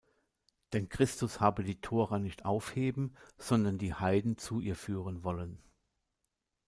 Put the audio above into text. Denn Christus habe die Tora nicht aufheben, sondern die Heiden zu ihr führen wollen.